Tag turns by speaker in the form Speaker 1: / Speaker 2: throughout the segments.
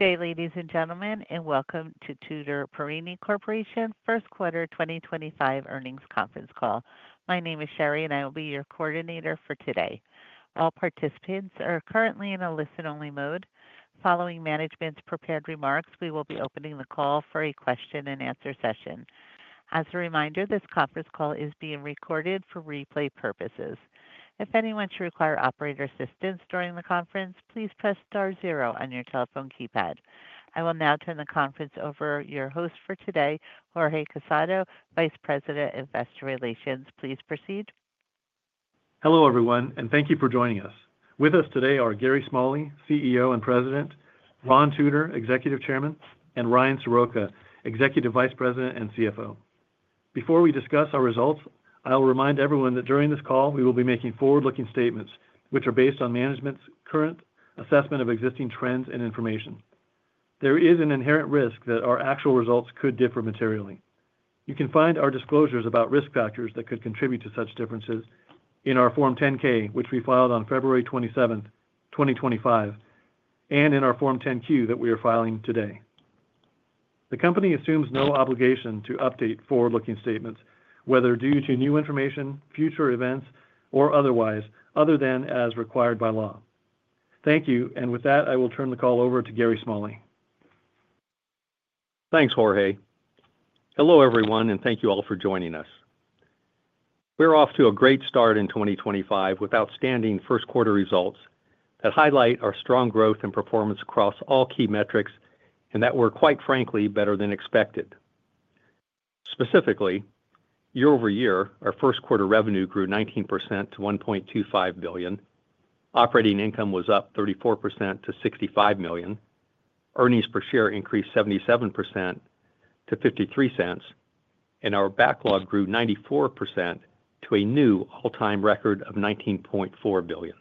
Speaker 1: Good day, ladies and gentlemen, and welcome to Tutor Perini Corporation's First Quarter 2025 earnings conference call. My name is Sherry, and I will be your coordinator for today. All participants are currently in a listen-only mode. Following management's prepared remarks, we will be opening the call for a question-and-answer session. As a reminder, this conference call is being recorded for replay purposes. If anyone should require operator assistance during the conference, please press star zero on your telephone keypad. I will now turn the conference over to your host for today, Jorge Casado, Vice President of Investor Relations. Please proceed.
Speaker 2: Hello everyone and thank you for joining us. With us today are Gary Smalley, CEO and President; Ron Tutor, Executive Chairman; and Ryan Soroka, Executive Vice President and CFO. Before we discuss our results, I'll remind everyone that during this call we will be making forward-looking statements, which are based on management's current assessment of existing trends and information. There is an inherent risk that our actual results could differ materially. You can find our disclosures about risk factors that could contribute to such differences in our Form 10-K, which we filed on February 27th, 2025, and in our Form 10-Q that we are filing today. The company assumes no obligation to update forward-looking statements, whether due to new information, future events, or otherwise, other than as required by law. Thank you, and with that, I will turn the call over to Gary Smalley.
Speaker 3: Thanks, Jorge. Hello everyone and thank you all for joining us. We're off to a great start in 2025 with outstanding first-quarter results that highlight our strong growth and performance across all key metrics and that were, quite frankly, better than expected. Specifically, year-over-year, our first-quarter revenue grew 19% to $1.25 billion, operating income was up 34% to $65 million, earnings per share increased 77% to $0.53, and our backlog grew 94% to a new all-time record of $19.4 billion.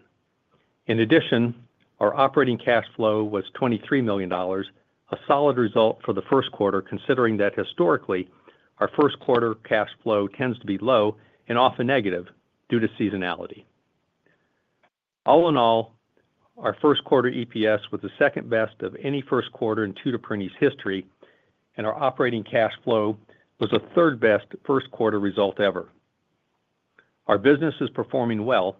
Speaker 3: In addition, our operating cash flow was $23 million, a solid result for the first quarter considering that historically our first-quarter cash flow tends to be low and often negative due to seasonality. All in all, our first-quarter EPS was the second best of any first quarter in Tutor Perini's history, and our operating cash flow was the third-best first-quarter result ever. Our business is performing well,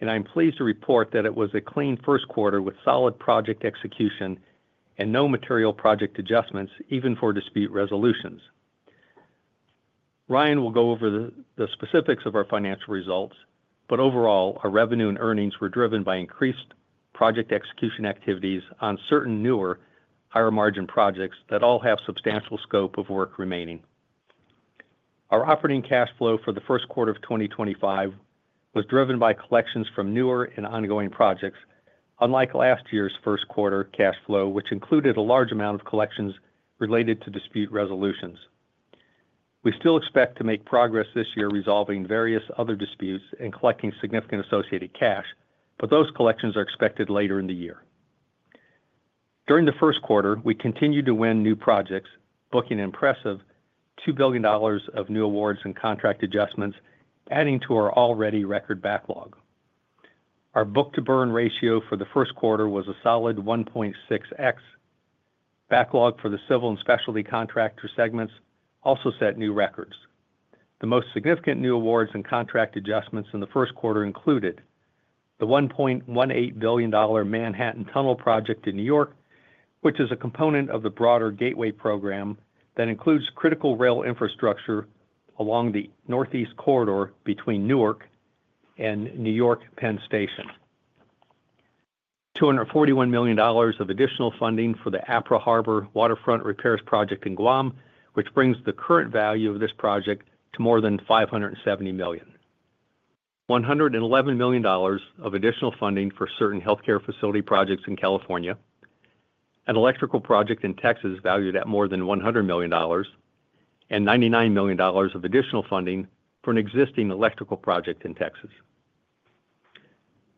Speaker 3: and I'm pleased to report that it was a clean first quarter with solid project execution and no material project adjustments, even for dispute resolutions. Ryan will go over the specifics of our financial results, but overall, our revenue and earnings were driven by increased project execution activities on certain newer, higher-margin projects that all have substantial scope of work remaining. Our operating cash flow for the first quarter of 2025 was driven by collections from newer and ongoing projects, unlike last year's first-quarter cash flow, which included a large amount of collections related to dispute resolutions. We still expect to make progress this year resolving various other disputes and collecting significant associated cash, but those collections are expected later in the year. During the first quarter, we continued to win new projects, booking impressive $2 billion of new awards and contract adjustments, adding to our already record backlog. Our book-to-burn ratio for the first quarter was a solid 1.6x. Backlog for the civil and specialty contractor segments also set new records. The most significant new awards and contract adjustments in the first quarter included the $1.18 billion Manhattan Tunnel project in New York, which is a component of the broader Gateway program that includes critical rail infrastructure along the northeast corridor between Newark and New York Penn Station. $241 million of additional funding for the APRA Harbor Waterfront repairs project in Guam, which brings the current value of this project to more than $570 million. $111 million of additional funding for certain healthcare facility projects in California, an electrical project in Texas valued at more than $100 million, and $99 million of additional funding for an existing electrical project in Texas.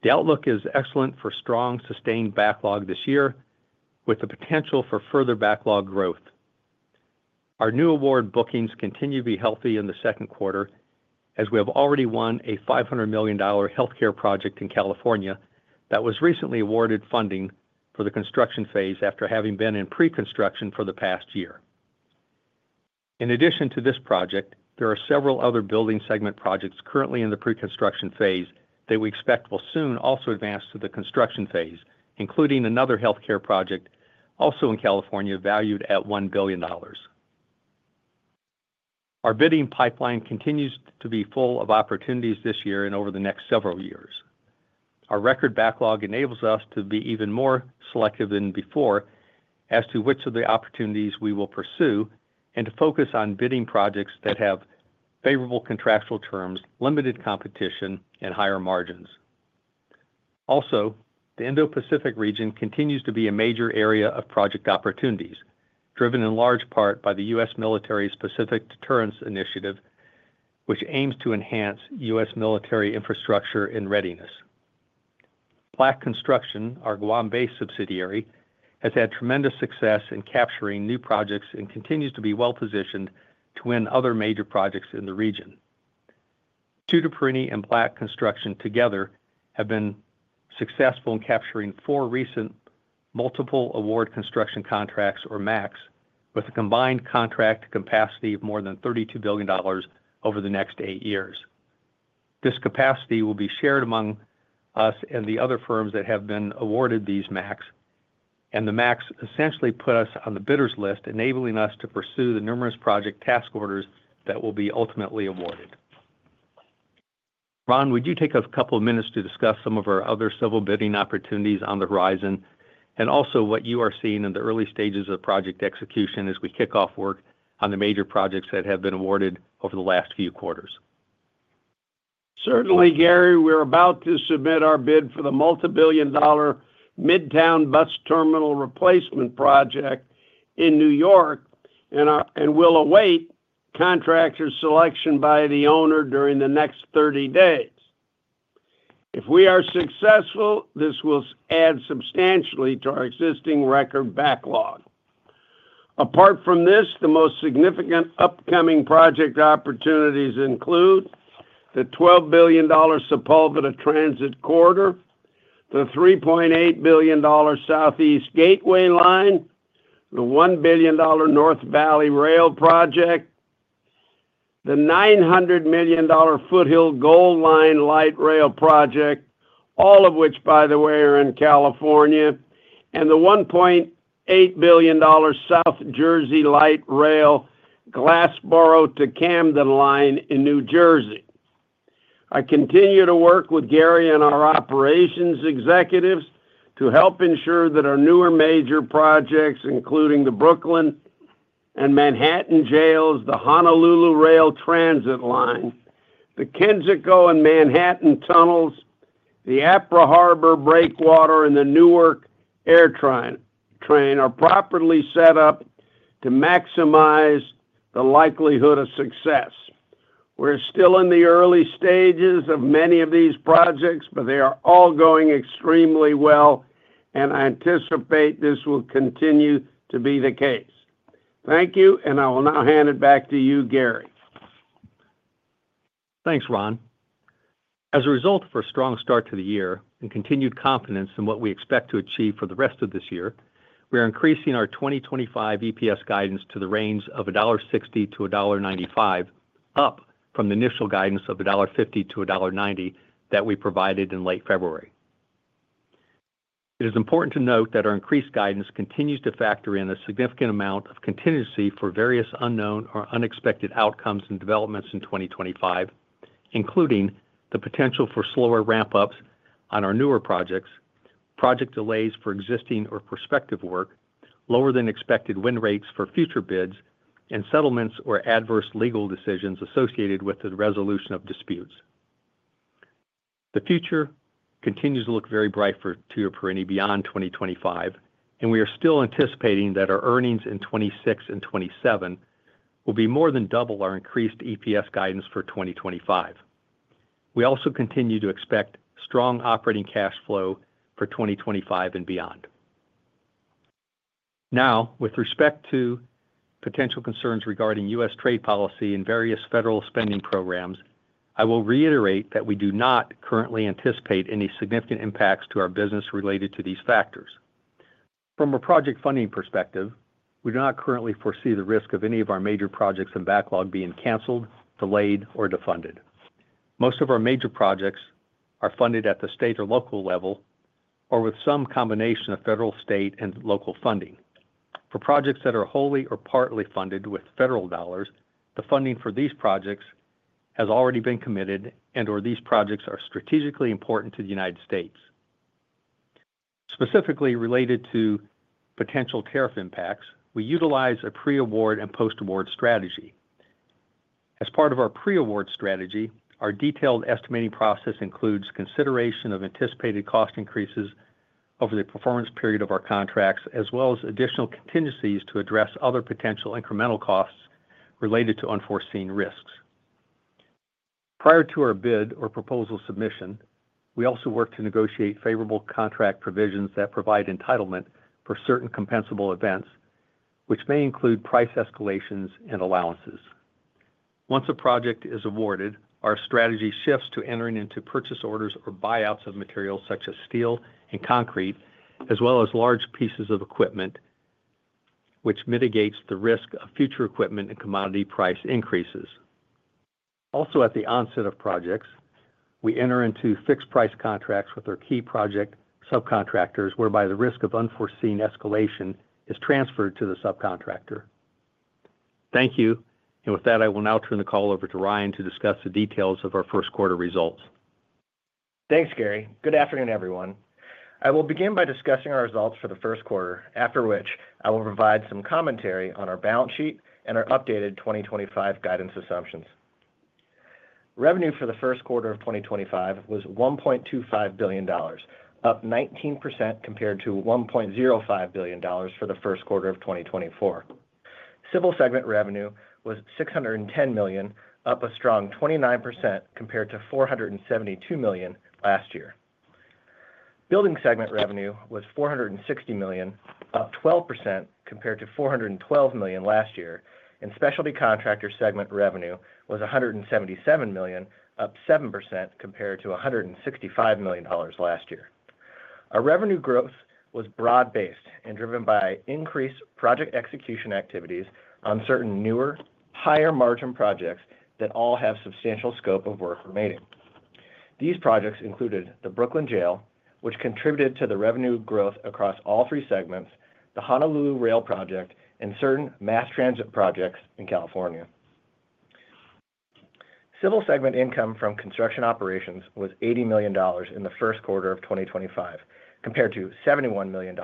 Speaker 3: The outlook is excellent for strong, sustained backlog this year, with the potential for further backlog growth. Our new award bookings continue to be healthy in the second quarter, as we have already won a $500 million healthcare project in California that was recently awarded funding for the construction phase after having been in pre-construction for the past year. In addition to this project, there are several other building segment projects currently in the pre-construction phase that we expect will soon also advance to the construction phase, including another healthcare project also in California valued at $1 billion. Our bidding pipeline continues to be full of opportunities this year and over the next several years. Our record backlog enables us to be even more selective than before as to which of the opportunities we will pursue and to focus on bidding projects that have favorable contractual terms, limited competition, and higher margins. Also, the Indo-Pacific region continues to be a major area of project opportunities, driven in large part by the U.S. Military's Pacific Deterrence Initiative, which aims to enhance U.S. military infrastructure and readiness. Black Construction, our Guam-based subsidiary, has had tremendous success in capturing new projects and continues to be well-positioned to win other major projects in the region. Tutor Perini and Black Construction together have been successful in capturing four recent multiple award construction contracts, or MACCs, with a combined contract capacity of more than $32 billion over the next eight years. This capacity will be shared among us and the other firms that have been awarded these MACCs, and the MACCs essentially put us on the bidders list, enabling us to pursue the numerous project task orders that will be ultimately awarded. Ron, would you take a couple of minutes to discuss some of our other civil bidding opportunities on the horizon and also what you are seeing in the early stages of project execution as we kick off work on the major projects that have been awarded over the last few quarters?
Speaker 4: Certainly, Gary. We're about to submit our bid for the multi-billion dollar Midtown Bus Terminal replacement project in New York and will await contractor selection by the owner during the next 30 days. If we are successful, this will add substantially to our existing record backlog. Apart from this, the most significant upcoming project opportunities include the $12 billion Sepulveda Transit Corridor, the $3.8 billion Southeast Gateway Line, the $1 billion North Valley Rail Project, the $900 million Foothill Gold Line Light Rail Project, all of which, by the way, are in California, and the $1.8 billion South Jersey Light Rail Glassboro to Camden Line in New Jersey. I continue to work with Gary and our operations executives to help ensure that our newer major projects, including the Brooklyn and Manhattan jails, the Honolulu Rail Transit Line, the Kensico and Manhattan Tunnels, the APRA Harbor Breakwater, and the Newark AirTrain are properly set up to maximize the likelihood of success. We're still in the early stages of many of these projects, but they are all going extremely well, and I anticipate this will continue to be the case. Thank you, and I will now hand it back to you, Gary.
Speaker 3: Thanks, Ron. As a result of our strong start to the year and continued confidence in what we expect to achieve for the rest of this year, we are increasing our 2025 EPS guidance to the range of $1.60-$1.95, up from the initial guidance of $1.50-$1.90 that we provided in late February. It is important to note that our increased guidance continues to factor in a significant amount of contingency for various unknown or unexpected outcomes and developments in 2025, including the potential for slower ramp-ups on our newer projects, project delays for existing or prospective work, lower-than-expected win rates for future bids, and settlements or adverse legal decisions associated with the resolution of disputes. The future continues to look very bright to Tutor Perini beyond 2025, and we are still anticipating that our earnings in 2026 and 2027 will be more than double our increased EPS guidance for 2025. We also continue to expect strong operating cash flow for 2025 and beyond. Now, with respect to potential concerns regarding U.S. trade policy and various federal spending programs, I will reiterate that we do not currently anticipate any significant impacts to our business related to these factors. From a project funding perspective, we do not currently foresee the risk of any of our major projects and backlog being canceled, delayed, or defunded. Most of our major projects are funded at the state or local level or with some combination of federal, state, and local funding. For projects that are wholly or partly funded with federal dollars, the funding for these projects has already been committed, and/or these projects are strategically important to the United States. Specifically related to potential tariff impacts, we utilize a pre-award and post-award strategy. As part of our pre-award strategy, our detailed estimating process includes consideration of anticipated cost increases over the performance period of our contracts, as well as additional contingencies to address other potential incremental costs related to unforeseen risks. Prior to our bid or proposal submission, we also work to negotiate favorable contract provisions that provide entitlement for certain compensable events, which may include price escalations and allowances. Once a project is awarded, our strategy shifts to entering into purchase orders or buyouts of materials such as steel and concrete, as well as large pieces of equipment, which mitigates the risk of future equipment and commodity price increases. Also, at the onset of projects, we enter into fixed-price contracts with our key project subcontractors, whereby the risk of unforeseen escalation is transferred to the subcontractor. Thank you, and with that, I will now turn the call over to Ryan to discuss the details of our first-quarter results.
Speaker 5: Thanks, Gary. Good afternoon, everyone. I will begin by discussing our results for the first quarter, after which I will provide some commentary on our balance sheet and our updated 2025 guidance assumptions. Revenue for the first quarter of 2025 was $1.25 billion, up 19% compared to $1.05 billion for the first quarter of 2024. Civil segment revenue was $610 million, up a strong 29% compared to $472 million last year. Building segment revenue was $460 million, up 12% compared to $412 million last year, and specialty contractor segment revenue was $177 million, up 7% compared to $165 million last year. Our revenue growth was broad-based and driven by increased project execution activities on certain newer, higher-margin projects that all have substantial scope of work remaining. These projects included the Brooklyn Jail, which contributed to the revenue growth across all three segments, the Honolulu Rail project, and certain mass transit projects in California. Civil segment income from construction operations was $80 million in the first quarter of 2025, compared to $71 million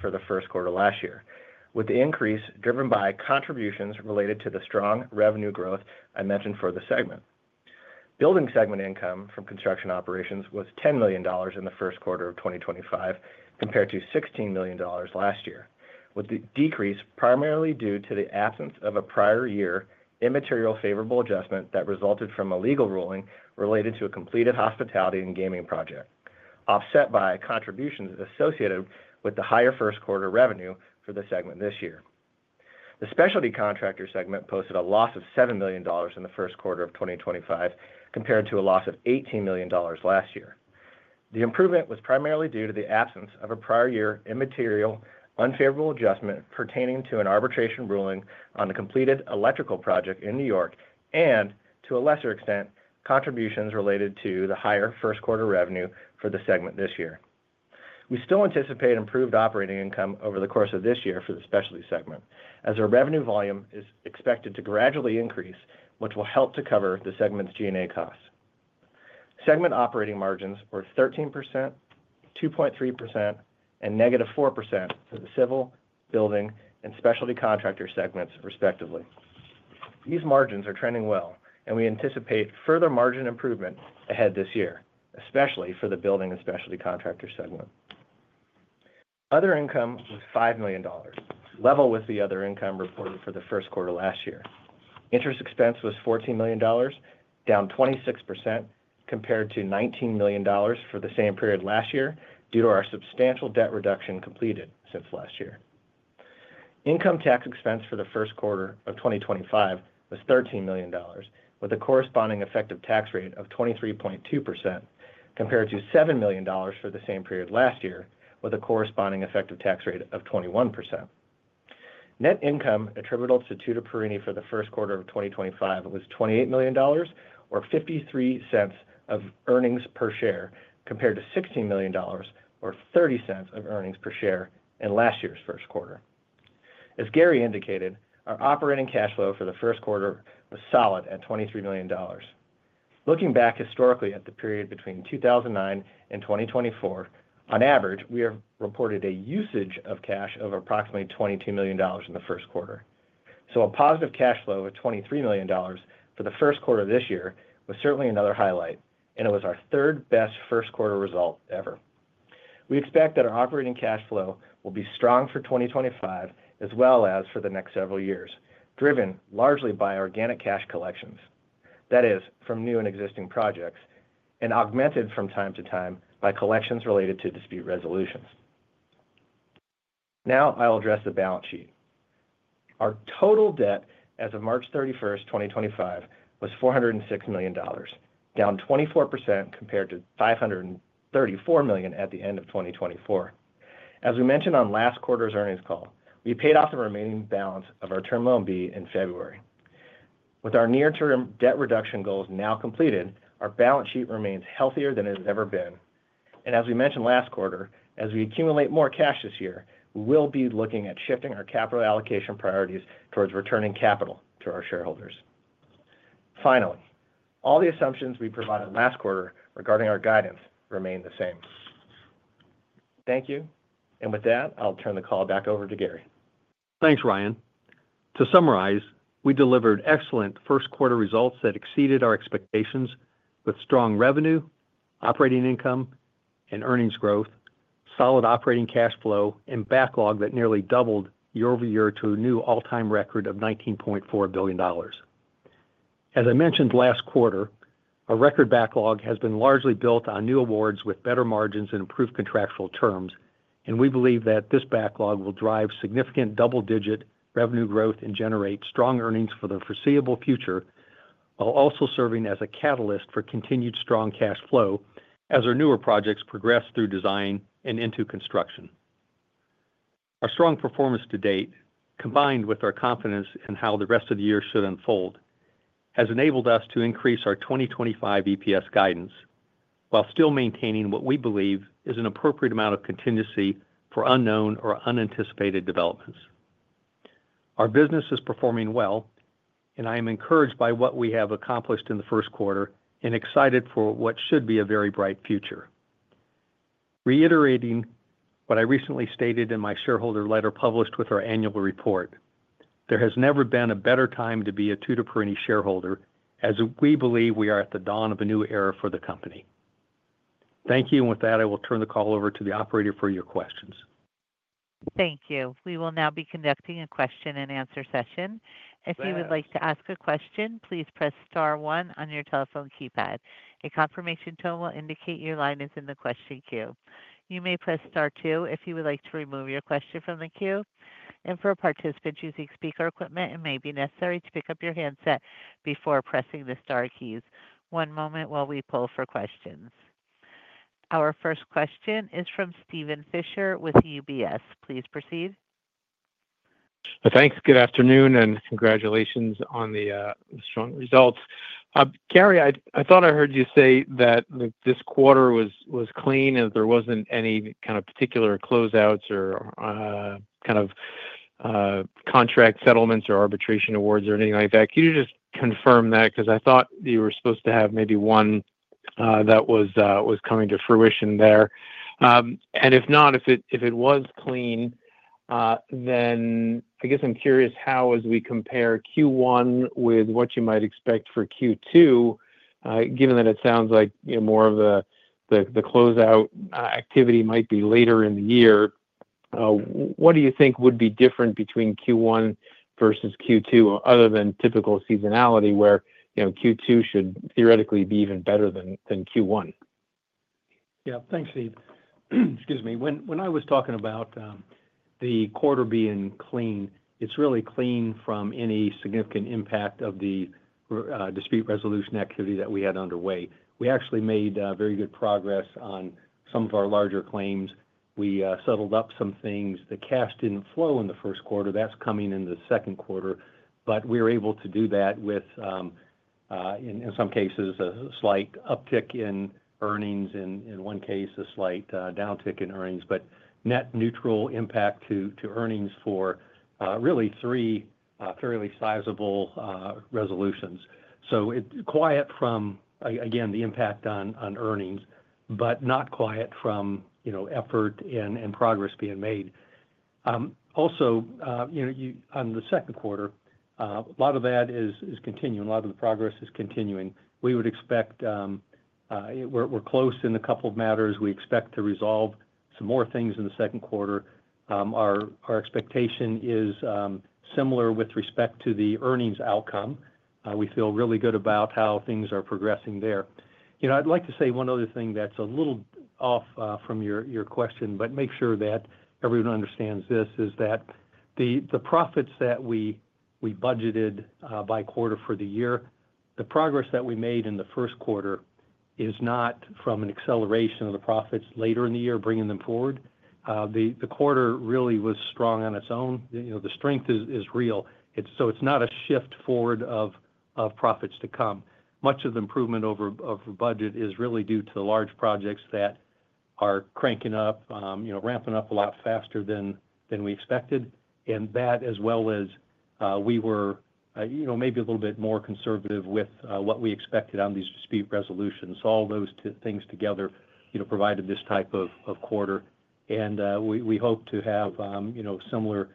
Speaker 5: for the first quarter last year, with the increase driven by contributions related to the strong revenue growth I mentioned for the segment. Building segment income from construction operations was $10 million in the first quarter of 2025, compared to $16 million last year, with the decrease primarily due to the absence of a prior-year immaterial favorable adjustment that resulted from a legal ruling related to a completed hospitality and gaming project, offset by contributions associated with the higher first-quarter revenue for the segment this year. The specialty contractor segment posted a loss of $7 million in the first quarter of 2025, compared to a loss of $18 million last year. The improvement was primarily due to the absence of a prior-year immaterial unfavorable adjustment pertaining to an arbitration ruling on the completed electrical project in New York and, to a lesser extent, contributions related to the higher first-quarter revenue for the segment this year. We still anticipate improved operating income over the course of this year for the specialty segment, as our revenue volume is expected to gradually increase, which will help to cover the segment's G&A costs. Segment operating margins were 13%, 2.3%, and negative 4% for the civil, building, and specialty contractor segments, respectively. These margins are trending well, and we anticipate further margin improvement ahead this year, especially for the building and specialty contractor segment. Other income was $5 million, level with the other income reported for the first quarter last year. Interest expense was $14 million, down 26%, compared to $19 million for the same period last year due to our substantial debt reduction completed since last year. Income tax expense for the first quarter of 2025 was $13 million, with a corresponding effective tax rate of 23.2%, compared to $7 million for the same period last year, with a corresponding effective tax rate of 21%. Net income attributable to Tutor Perini for the first quarter of 2025 was $28 million, or $0.53 of earnings per share, compared to $16 million, or $0.30 of earnings per-share in last year's first quarter. As Gary indicated, our operating cash flow for the first quarter was solid at $23 million. Looking back historically at the period between 2009 and 2024, on average, we have reported a usage of cash of approximately $22 million in the first quarter. A positive cash flow of $23 million for the first quarter of this year was certainly another highlight, and it was our third-best first-quarter result ever. We expect that our operating cash flow will be strong for 2025 as well as for the next several years, driven largely by organic cash collections, that is, from new and existing projects, and augmented from time to time by collections related to dispute resolutions. Now, I'll address the balance sheet. Our total debt as of March 31, 2025, was $406 million, down 24% compared to $534 million at the end of 2024. As we mentioned on last quarter's earnings call, we paid off the remaining balance of our term loan B in February. With our near-term debt reduction goals now completed, our balance sheet remains healthier than it has ever been. As we mentioned last quarter, as we accumulate more cash this year, we will be looking at shifting our capital allocation priorities towards returning capital to our shareholders. Finally, all the assumptions we provided last quarter regarding our guidance remain the same. Thank you, and with that, I'll turn the call back over to Gary.
Speaker 3: Thanks, Ryan. To summarize, we delivered excellent first-quarter results that exceeded our expectations, with strong revenue, operating income, and earnings growth, solid operating cash flow, and backlog that nearly doubled year-over-year to a new all-time record of $19.4 billion. As I mentioned last quarter, our record backlog has been largely built on new awards with better margins and improved contractual terms, and we believe that this backlog will drive significant double-digit revenue growth and generate strong earnings for the foreseeable future, while also serving as a catalyst for continued strong cash flow as our newer projects progress through design and into construction. Our strong performance to date, combined with our confidence in how the rest of the year should unfold, has enabled us to increase our 2025 EPS guidance while still maintaining what we believe is an appropriate amount of contingency for unknown or unanticipated developments. Our business is performing well, and I am encouraged by what we have accomplished in the first quarter and excited for what should be a very bright future. Reiterating what I recently stated in my shareholder letter published with our annual report, there has never been a better time to be a Tutor Perini shareholder, as we believe we are at the dawn of a new era for the company. Thank you, and with that, I will turn the call over to the operator for your questions.
Speaker 1: Thank you. We will now be conducting a question-and-answer session. If you would like to ask a question, please press star one on your telephone keypad. A confirmation tone will indicate your line is in the question queue. You may press star to if you would like to remove your question from the queue. For participants using speaker equipment, it may be necessary to pick up your handset before pressing the star keys. One moment while we pull for questions. Our first question is from Steven Fisher with UBS. Please proceed.
Speaker 6: Thanks. Good afternoon, and congratulations on the strong results. Gary, I thought I heard you say that this quarter was clean and there was not any kind of particular closeouts or kind of contract settlements or arbitration awards or anything like that. Can you just confirm that? Because I thought you were supposed to have maybe one that was coming to fruition there. If not, if it was clean, then I guess I am curious how, as we compare Q1 with what you might expect for Q2, given that it sounds like more of the closeout activity might be later in the year, what do you think would be different between Q1 versus Q2 other than typical seasonality where Q2 should theoretically be even better than Q1?
Speaker 3: Yeah. Thanks, Steve. Excuse me. When I was talking about the quarter being clean, it's really clean from any significant impact of the dispute resolution activity that we had underway. We actually made very good progress on some of our larger claims. We settled up some things. The cash did not flow in the first quarter. That's coming in the second quarter. We were able to do that with, in some cases, a slight uptick in earnings; in one case, a slight downtick in earnings; but net neutral impact to earnings for really three fairly sizable resolutions. It is quiet from, again, the impact on earnings, but not quiet from effort and progress being made. Also, on the second quarter, a lot of that is continuing. A lot of the progress is continuing. We would expect we're close in a couple of matters. We expect to resolve some more things in the second quarter. Our expectation is similar with respect to the earnings outcome. We feel really good about how things are progressing there. I'd like to say one other thing that's a little off from your question, but make sure that everyone understands this, is that the profits that we budgeted by quarter for the year, the progress that we made in the first quarter is not from an acceleration of the profits later in the year, bringing them forward. The quarter really was strong on its own. The strength is real. It's not a shift forward of profits to come. Much of the improvement over budget is really due to the large projects that are cranking up, ramping up a lot faster than we expected. That, as well as we were maybe a little bit more conservative with what we expected on these dispute resolutions. All those things together provided this type of quarter. We hope to have similar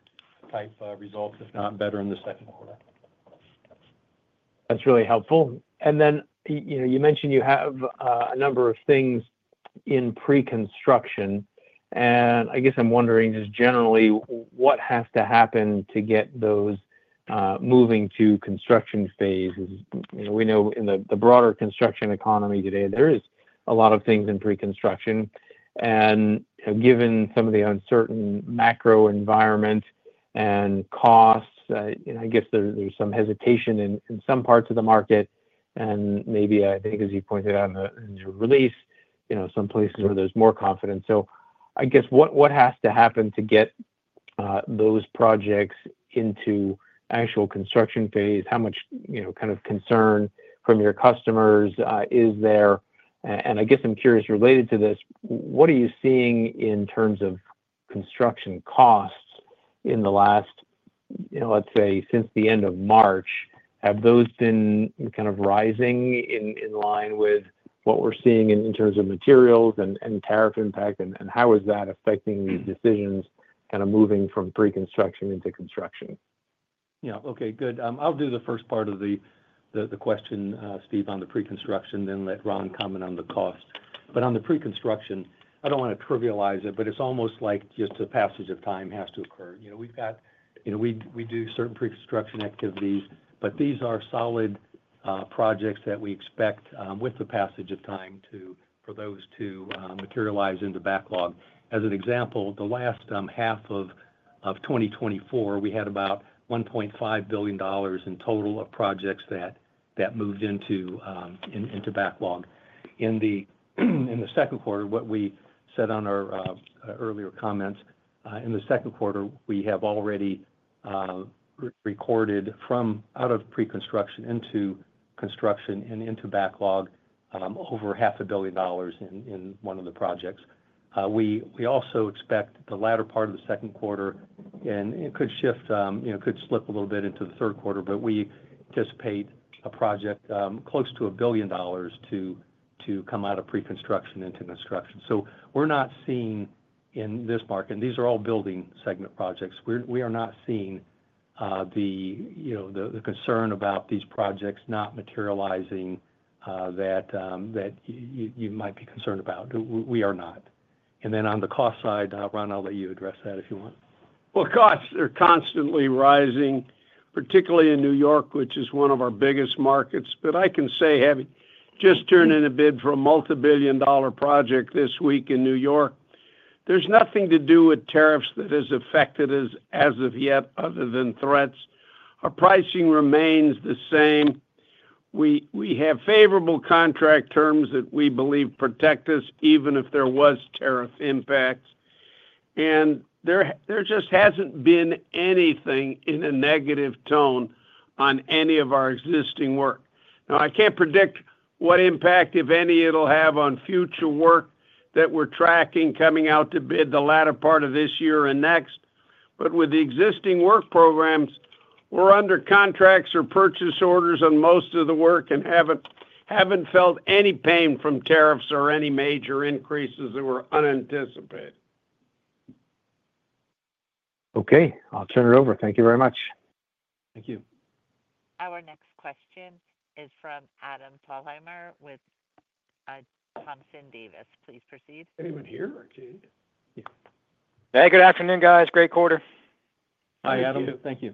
Speaker 3: type results, if not better, in the second quarter.
Speaker 6: That's really helpful. Then you mentioned you have a number of things in pre-construction. I guess I'm wondering, just generally, what has to happen to get those moving to construction phase? We know in the broader construction economy today, there is a lot of things in pre-construction. Given some of the uncertain macro environment and costs, I guess there's some hesitation in some parts of the market. Maybe, I think, as you pointed out in your release, some places where there's more confidence. I guess what has to happen to get those projects into actual construction phase? How much kind of concern from your customers is there? I guess I'm curious, related to this, what are you seeing in terms of construction costs in the last, let's say, since the end of March? Have those been kind of rising in line with what we're seeing in terms of materials and tariff impact? How is that affecting these decisions, kind of moving from pre-construction into construction?
Speaker 3: Yeah. Okay. Good. I'll do the first part of the question, Steve, on the pre-construction, then let Ron comment on the cost. On the pre-construction, I don't want to trivialize it, but it's almost like just a passage of time has to occur. We do certain pre-construction activities, but these are solid projects that we expect, with the passage of time, for those to materialize into backlog. As an example, the last half of 2024, we had about $1.5 billion in total of projects that moved into backlog. In the second quarter, what we said on our earlier comments, in the second quarter, we have already recorded from out of pre-construction into construction and into backlog over $500 million in one of the projects. We also expect the latter part of the second quarter, and it could shift, could slip a little bit into the third quarter, but we anticipate a project close to $1 billion to come out of pre-construction into construction. We are not seeing, in this market, and these are all building segment projects, we are not seeing the concern about these projects not materializing that you might be concerned about. We are not. On the cost side, Ron, I'll let you address that if you want.
Speaker 4: Costs are constantly rising, particularly in New York, which is one of our biggest markets. I can say, having just turned in a bid for a multi-billion dollar project this week in New York, there's nothing to do with tariffs that has affected us as of yet other than threats. Our pricing remains the same. We have favorable contract terms that we believe protect us, even if there was tariff impact. There just hasn't been anything in a negative tone on any of our existing work. Now, I can't predict what impact, if any, it'll have on future work that we're tracking coming out to bid the latter part of this year and next. With the existing work programs, we're under contracts or purchase orders on most of the work and haven't felt any pain from tariffs or any major increases that were unanticipated.
Speaker 6: Okay. I'll turn it over. Thank you very much.
Speaker 5: Thank you.
Speaker 1: Our next question is from Adam Thalhimer with Thompson Davis. Please proceed.
Speaker 4: Anyone here? Okay. Yeah.
Speaker 7: Hey, good afternoon, guys. Great quarter.
Speaker 3: Hi, Adam.
Speaker 7: Thank you.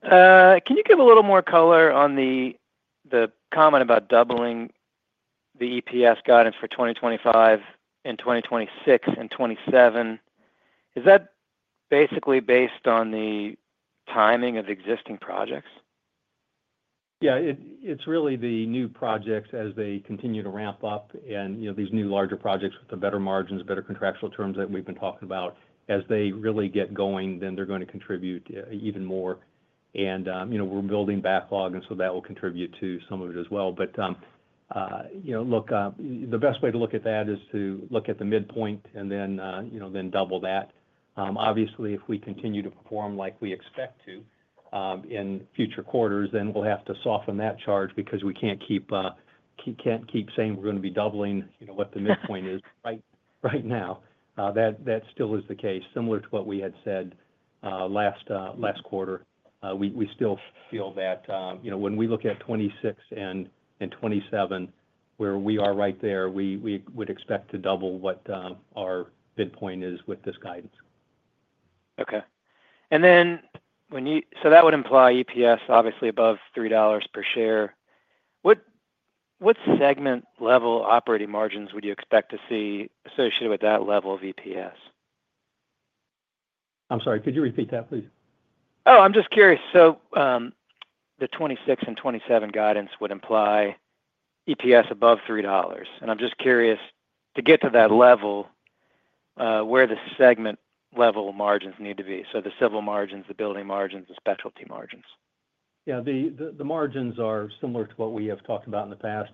Speaker 7: Thank you. Can you give a little more color on the comment about doubling the EPS guidance for 2025 and 2026, and 2027? Is that basically based on the timing of existing projects?
Speaker 3: Yeah. It's really the new projects as they continue to ramp up and these new larger projects with the better margins, better contractual terms that we've been talking about. As they really get going, they're going to contribute even more. We're building backlog, and that will contribute to some of it as well. Look, the best way to look at that is to look at the midpoint and then double that. Obviously, if we continue to perform like we expect to in future quarters, we'll have to soften that charge because we can't keep saying we're going to be doubling what the midpoint is right now. That still is the case, similar to what we had said last quarter. We still feel that when we look at 2026 and 2027, where we are right there, we would expect to double what our midpoint is with this guidance.
Speaker 7: Okay. And then so that would imply EPS, obviously, above $3 per share. What segment-level operating margins would you expect to see associated with that level of EPS?
Speaker 3: I'm sorry. Could you repeat that, please?
Speaker 7: Oh, I'm just curious. The '26 and '27 guidance would imply EPS above $3. I'm just curious, to get to that level, where does segment-level margins need to be? The civil margins, the building margins, the specialty margins?
Speaker 3: Yeah. The margins are similar to what we have talked about in the past.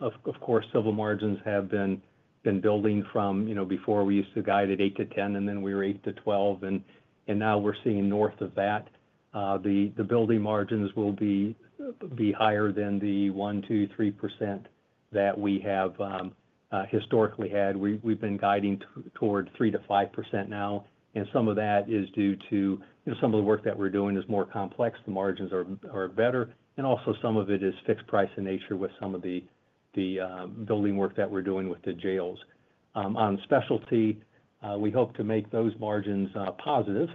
Speaker 3: Of course, civil margins have been building from before. We used to guide at 8-10%, and then we were 8-12%. And now we're seeing north of that. The building margins will be higher than the 1, 2, 3% that we have historically had. We've been guiding toward 3-5% now. And some of that is due to some of the work that we're doing is more complex. The margins are better. And also, some of it is fixed price in nature with some of the building work that we're doing with the jails. On specialty, we hope to make those margins positive,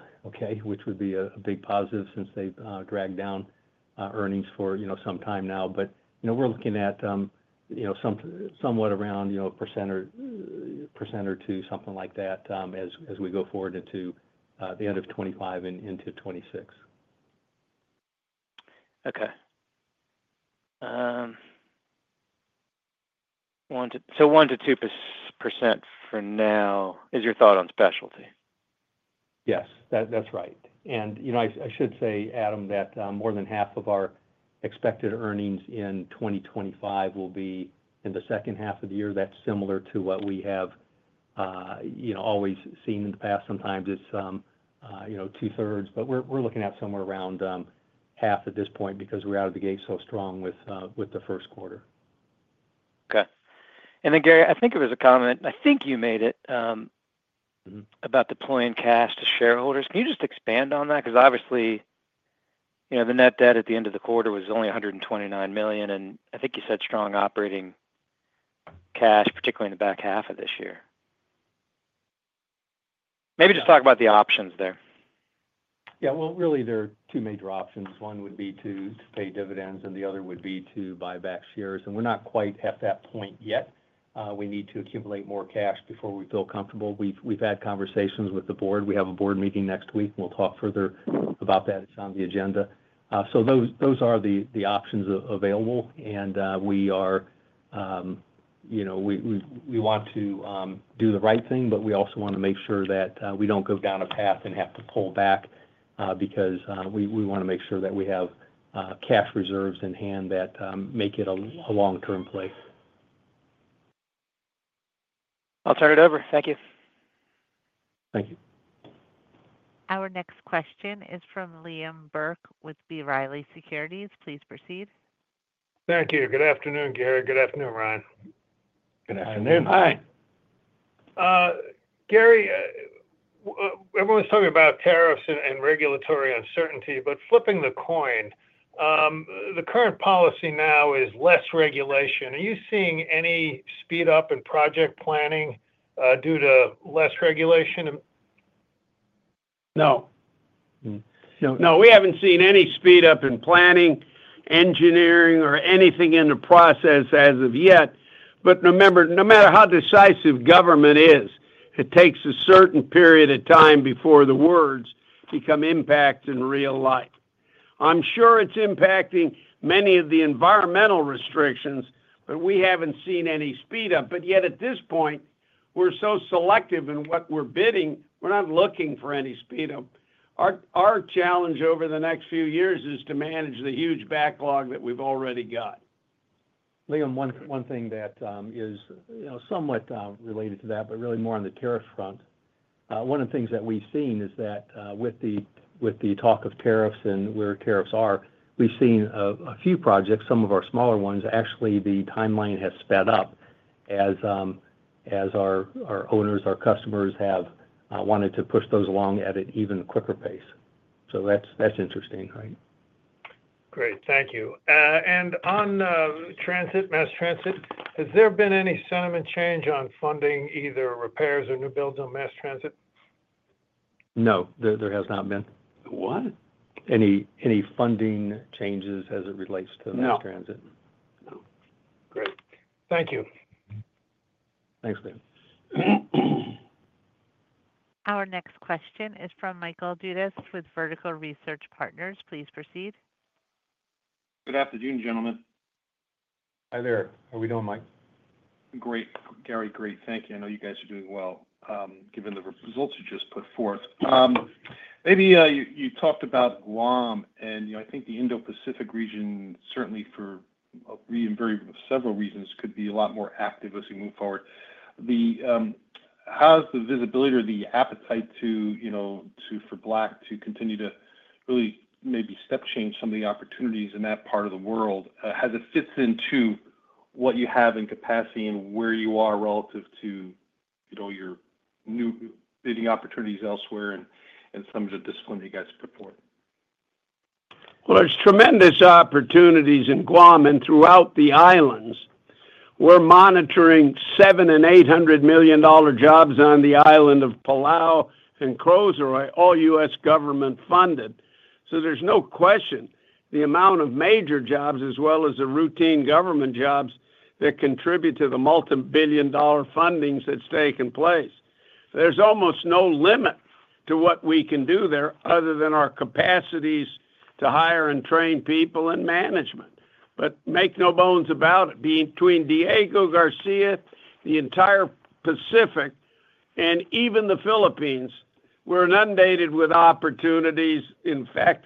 Speaker 3: which would be a big positive since they've dragged down earnings for some time now. We're looking at somewhat around a percent or two, something like that, as we go forward into the end of 2025 and into 2026.
Speaker 7: Okay. So 1-2% for now is your thought on specialty?
Speaker 3: Yes. That's right. I should say, Adam, that more than half of our expected earnings in 2025 will be in the second half of the year. That's similar to what we have always seen in the past. Sometimes it's two-thirds. We're looking at somewhere around half at this point because we're out of the gate so strong with the first quarter.
Speaker 7: Okay. Gary, I think it was a comment. I think you made it about deploying cash to shareholders. Can you just expand on that? Because obviously, the net debt at the end of the quarter was only $129 million. I think you said strong operating cash, particularly in the back half of this year. Maybe just talk about the options there.
Speaker 3: Yeah. Really, there are two major options. One would be to pay dividends, and the other would be to buy back shares. We're not quite at that point yet. We need to accumulate more cash before we feel comfortable. We've had conversations with the board. We have a board meeting next week, and we'll talk further about that. It's on the agenda. Those are the options available. We want to do the right thing, but we also want to make sure that we don't go down a path and have to pull back because we want to make sure that we have cash reserves in hand that make it a long-term play.
Speaker 7: I'll turn it over. Thank you.
Speaker 3: Thank you.
Speaker 1: Our next question is from Liam Burke with B. Riley Securities. Please proceed.
Speaker 8: Thank you. Good afternoon, Gary. Good afternoon, Ron.
Speaker 3: Good afternoon.
Speaker 4: Hi.
Speaker 8: Gary, everyone's talking about tariffs and regulatory uncertainty. Flipping the coin, the current policy now is less regulation. Are you seeing any speed-up in project planning due to less regulation?
Speaker 3: No.
Speaker 4: No. We have not seen any speed up in planning, engineering, or anything in the process as of yet. No matter how decisive government is, it takes a certain period of time before the words become impact in real life. I am sure it is impacting many of the environmental restrictions, but we have not seen any speed up. Yet, at this point, we are so selective in what we are bidding; we are not looking for any speed-up. Our challenge over the next few years is to manage the huge backlog that we have already got.
Speaker 3: Liam, one thing that is somewhat related to that, but really more on the tariff front, one of the things that we've seen is that with the talk of tariffs and where tariffs are, we've seen a few projects, some of our smaller ones, actually the timeline has sped up as our owners, our customers have wanted to push those along at an even quicker pace. That is interesting, right?
Speaker 8: Great. Thank you. On transit, mass transit, has there been any sentiment change on funding either repairs or new builds on mass transit?
Speaker 3: No. There has not been.
Speaker 8: What?
Speaker 3: Any funding changes as it relates to mass transit?
Speaker 8: No. No. Great. Thank you.
Speaker 3: Thanks, Liam.
Speaker 1: Our next question is from Michael Dudas with Vertical Research Partners. Please proceed.
Speaker 9: Good afternoon, gentlemen.
Speaker 3: Hi there. How are we doing, Mike?
Speaker 9: Great. Gary, great. Thank you. I know you guys are doing well given the results you just put forth. Maybe you talked about Guam, and I think the Indo-Pacific region, certainly for several reasons, could be a lot more active as we move forward. How's the visibility or the appetite for Black to continue to really maybe step-change some of the opportunities in that part of the world? How does it fit into what you have in capacity and where you are relative to your new bidding opportunities elsewhere and some of the discipline that you guys put forth?
Speaker 4: There are tremendous opportunities in Guam and throughout the islands. We're monitoring $700 million and $800 million jobs on the Island of Palau and Crozier, all U.S. government funded. There's no question the amount of major jobs as well as the routine government jobs that contribute to the multi-billion-dollar fundings that's taking place. There's almost no limit to what we can do there other than our capacities to hire and train people and management. Make no bones about it, between Diego Garcia, the entire Pacific, and even the Philippines, we're inundated with opportunities. In fact,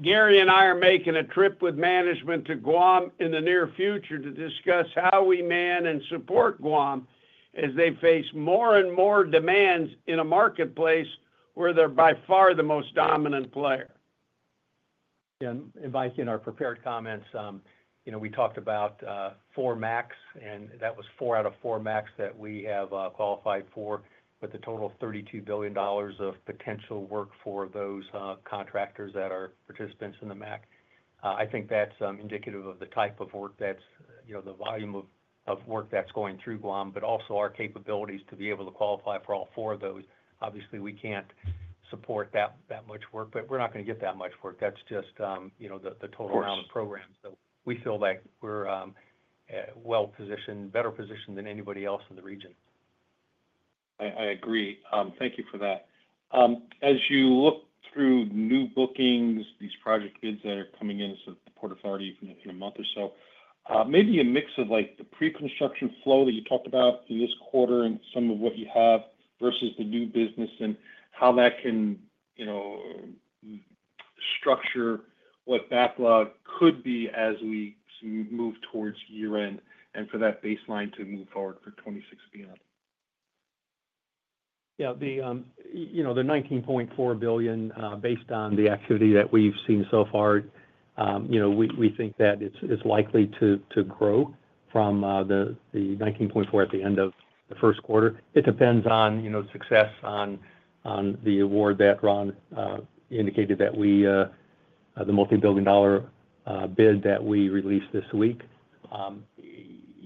Speaker 4: Gary and I are making a trip with management to Guam in the near future to discuss how we man and support Guam as they face more and more demands in a marketplace where they're by far the most dominant player.
Speaker 3: Yeah. In our prepared comments, we talked about four MACCs, and that was four out of four MACCs that we have qualified for with a total of $32 billion of potential work for those contractors that are participants in the MACC. I think that's indicative of the type of work, that's the volume of work that's going through Guam, but also our capabilities to be able to qualify for all four of those. Obviously, we can't support that much work, but we're not going to get that much work. That's just the total amount of programs. We feel like we're well-positioned, better positioned than anybody else in the region.
Speaker 9: I agree. Thank you for that. As you look through new bookings, these project bids that are coming into the port authority in a month or so, maybe a mix of the pre-construction flow that you talked about in this quarter and some of what you have versus the new business and how that can structure what backlog could be as we move towards year-end and for that baseline to move forward for 2026 and beyond.
Speaker 3: Yeah. The $19.4 billion, based on the activity that we've seen so far, we think that it's likely to grow from the $19.4 at the end of the first quarter. It depends on success on the award that Ron indicated that we, the multi-billion dollar bid that we released this week.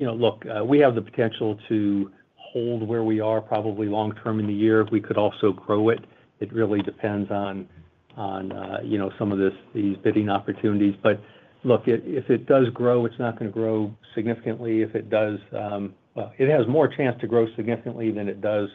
Speaker 3: Look, we have the potential to hold where we are probably long-term in the year. We could also grow it. It really depends on some of these bidding opportunities. Look, if it does grow, it's not going to grow significantly. If it does, well, it has more chance to grow significantly than it does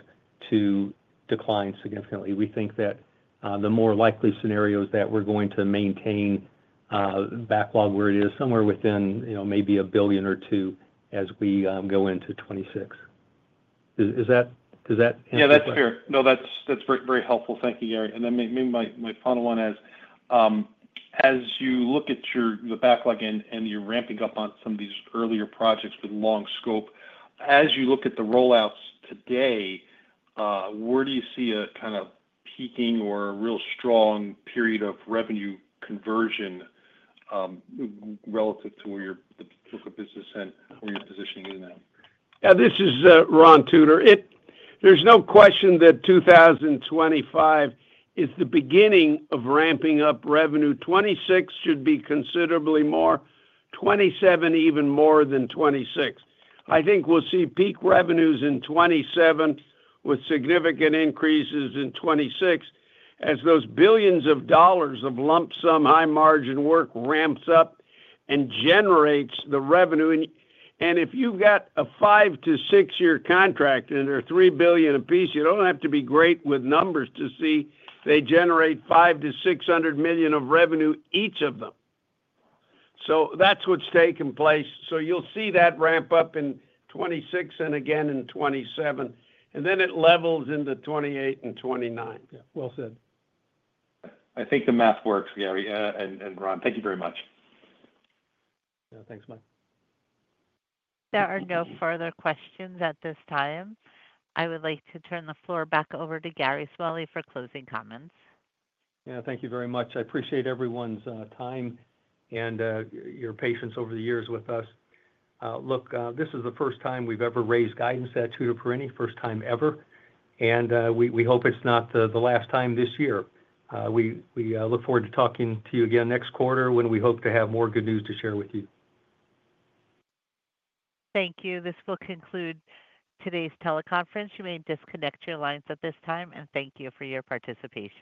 Speaker 3: to decline significantly. We think that the more likely scenario is that we're going to maintain backlog where it is, somewhere within maybe a billion or two as we go into 2026. Does that answer your question?
Speaker 9: Yeah. That's fair. No, that's very helpful. Thank you, Gary. Maybe my final one is, as you look at the backlog and you're ramping up on some of these earlier projects with long scope, as you look at the rollouts today, where do you see a kind of peaking or a real strong period of revenue conversion relative to where your book of business and where you're positioning it now?
Speaker 4: Yeah. This is Ron Tutor. There's no question that 2025 is the beginning of ramping up revenue. 2026 should be considerably more, 2027 even more than 2026. I think we'll see peak revenues in 2027 with significant increases in 2026 as those billions of dollars of lump sum high-margin work ramps up and generates the revenue. If you've got a five to six-year contract and they're $3 billion apiece, you don't have to be great with numbers to see they generate $500 million-$600 million of revenue each of them. That's what's taking place. You'll see that ramp up in 2026 and again in 2027. It levels into 2028 and 2029.
Speaker 9: Yeah. Well said. I think the math works, Gary and Ron. Thank you very much.
Speaker 3: Yeah. Thanks, Mike.
Speaker 1: There are no further questions at this time. I would like to turn the floor back over to Gary Smalley for closing comments.
Speaker 3: Yeah. Thank you very much. I appreciate everyone's time and your patience over the years with us. Look, this is the first time we've ever raised guidance at Tutor Perini, first time ever. We hope it's not the last time this year. We look forward to talking to you again next quarter when we hope to have more good news to share with you.
Speaker 1: Thank you. This will conclude today's teleconference. You may disconnect your lines at this time. Thank you for your participation.